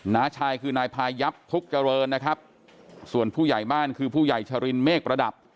้าชายคือนายพายับพุกเจริญนะครับส่วนผู้ใหญ่บ้านคือผู้ใหญ่ชรินเมฆประดับ